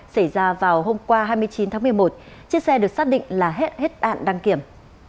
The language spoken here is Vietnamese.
xảy ra vào hôm qua hai mươi chín tháng một mươi một chiếc xe được xác định là hết hạn đăng kiểm